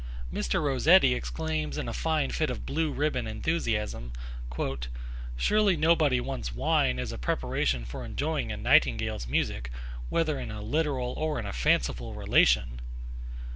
Mr. Rossetti exclaims in a fine fit of 'Blue Ribbon' enthusiasm: 'Surely nobody wants wine as a preparation for enjoying a nightingale's music, whether in a literal or in a fanciful relation'!